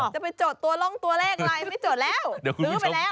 จะไปจดตัวร่องตัวแรกไลน์ไม่จดแล้วซื้อไปแล้ว